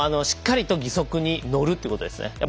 しっかりと義足に乗るということですね。